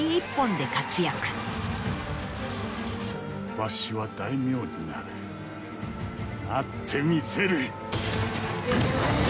わしは大名になるなってみせる！